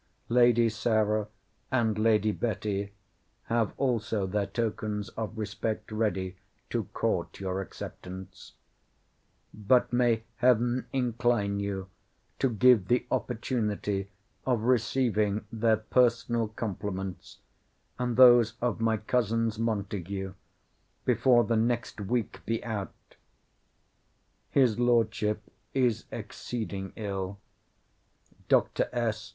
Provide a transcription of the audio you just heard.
Lady Sarah and Lady Betty have also their tokens of respect ready to court your acceptance: but may Heaven incline you to give the opportunity of receiving their personal compliments, and those of my cousins Montague, before the next week be out! His Lordship is exceeding ill. Dr. S.